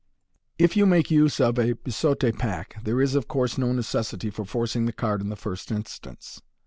If you make use of a biseaute pack, there is, of course, no necessity for forcing the card in the first instance.